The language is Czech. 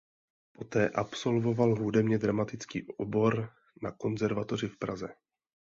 Poté absolvoval hudebně dramatický obor na konzervatoři v Praze.